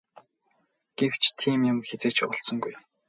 Гэвч тийм юм хэзээ ч болсонгүй.